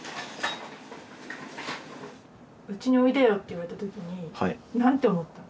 「うちにおいでよ」って言われた時に何て思った？